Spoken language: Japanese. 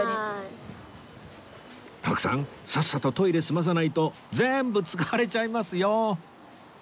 徳さんさっさとトイレ済まさないと全部使われちゃいますよ